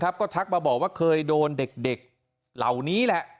ก็ทักมาบอกว่าเคยโดนเด็กเหล่านี้แหละ